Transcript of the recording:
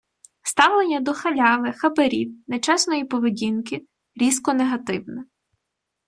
Ставлення до халяви, хабарів, нечесної поведінки - різко негативне.